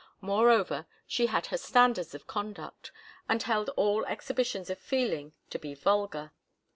Moreover, she had her standards of conduct, and held all exhibitions of feeling to be vulgar.